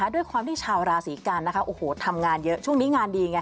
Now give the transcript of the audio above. ด้วยความที่ชาวราศิกัณฑ์ทำงานเยอะช่วงนี้งานดีไง